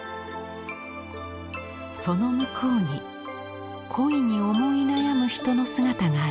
その向こうに恋に思い悩む人の姿があります。